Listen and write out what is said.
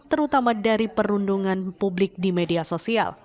terutama dari perundungan publik di media sosial